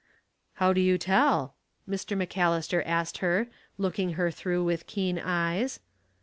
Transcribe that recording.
"How do you tell?" Mr. McAllister asked her, looking her through with keen eyes.